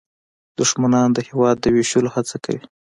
دښمنان د هېواد د ویشلو هڅه کوي